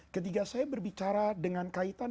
ketika saya berbicara dengan kaitan